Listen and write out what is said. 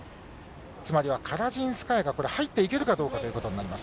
つまりはカラジンスカヤがこれ、入っていけるかどうかということです。